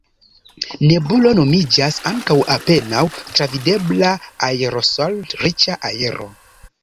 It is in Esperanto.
Nebulo nomiĝas ankaŭ apenaŭ travidebla aerosol-riĉa aero.